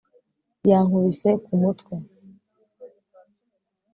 yankubise ku mutwe